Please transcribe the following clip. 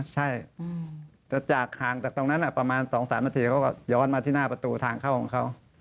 ใช่แต่จากห่างจากตรงนั้นประมาณ๒๓นาทีเขาก็ย้อนมาที่หน้าประตูทางเข้าของเขา